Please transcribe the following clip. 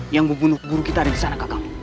yang membunuh guru kita ada disana kakak